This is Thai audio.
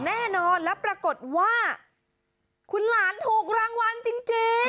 แน่นอนแล้วปรากฏว่าคุณหลานถูกรางวัลจริง